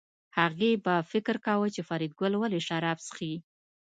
هغې به فکر کاوه چې فریدګل ولې شراب څښي